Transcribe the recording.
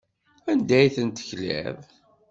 Anda ay ten-tekliḍ?